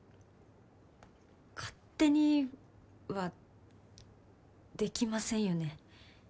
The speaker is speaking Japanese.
勝手にはできませんよね。